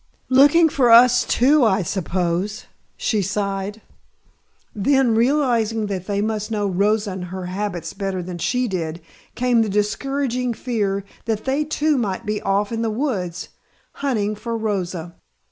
"Looking for us, too, I suppose," she sighed. Then, realizing that they must know Rosa and her habits better than she did, came the discouraging fear that they too might be off in the woods hunting for Rosa.